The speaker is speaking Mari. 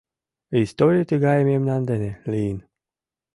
Историй тыгае мемнан дене лийын.